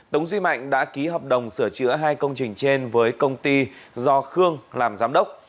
tống duy mạnh đã ký hợp đồng sửa chữa hai công trình trên với công ty do khương làm giám đốc